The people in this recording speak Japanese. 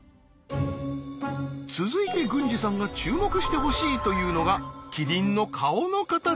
続いて郡司さんが注目してほしいというのがキリンの顔の形。